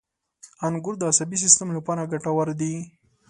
• انګور د عصبي سیستم لپاره ګټور دي.